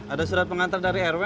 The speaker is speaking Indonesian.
ada surat pengantar dari rw